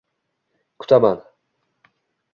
Kutaman